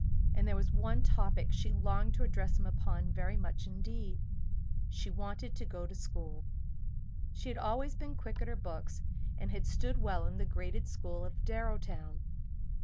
And there was one topic she longed to address him upon very much indeed. She wanted to go to school. She had always been quick at her books, and had stood well in the graded school of Darrowtown.